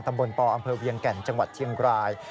ตำบลปอำเภอเวียงแก่นจังหวัดเชียงราย